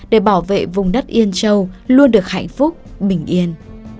để bảo vệ vùng đất yên châu luôn được hạnh phúc bình yên